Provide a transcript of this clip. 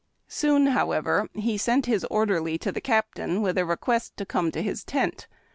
Soon, however, he sent his Orderly to the Captain with a request to come to his tent.